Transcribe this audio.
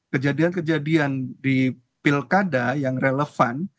kejadian kejadian di pilkada yang relevan